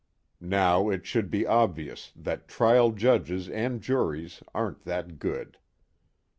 Now it should be obvious that trial judges and juries aren't that good.